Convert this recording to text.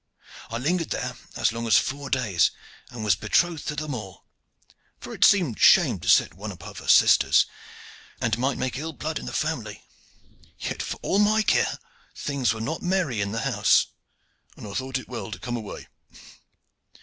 I lingered there as long as four days, and was betrothed to them all; for it seemed shame to set one above her sisters, and might make ill blood in the family. Yet, for all my care, things were not merry in the house, and I thought it well to come away.